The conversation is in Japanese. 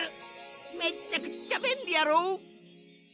めっちゃくっちゃべんりやろ！？